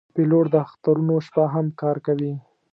پیلوټ د اخترونو شپه هم کار کوي.